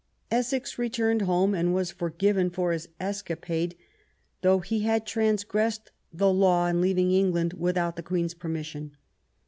Essex returned home, and was forgiven for his escapade, though he had trangressed the law in leaving England without the Queen's permission.